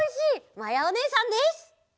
まやおねえさんです！